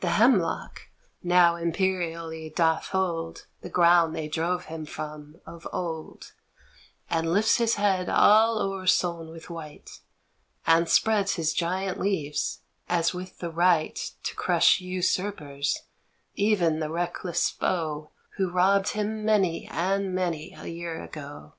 The hemlock now imperially doth hold The ground they drove him from of old And lifts his head all oversown with white And spreads his giant leaves as with the right To crush usurpers, even the reckless foe Who robbed him many and many a year ago.